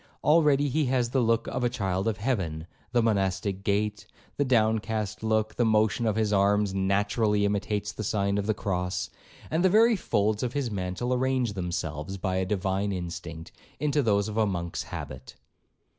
Already he has the look of a child of heaven;—the monastic gait, —the downcast look;—the motion of his arms naturally imitates the sign of the cross, and the very folds of his mantle arrange themselves, by a divine instinct, into those of a Monk's habit.'